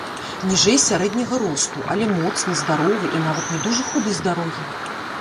Ніжэй сярэдняга росту, але моцны, здаровы, і нават не дужа худы з дарогі.